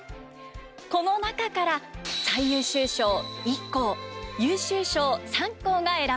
この中から最優秀賞１校優秀賞３校が選ばれます。